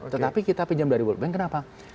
tetapi kita pinjam dari world bank kenapa